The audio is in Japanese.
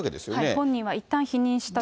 本人はいったん否認したと。